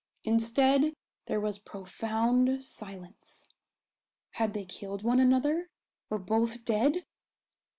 Instead there was profound silence. Had they killed one another? Were both dead?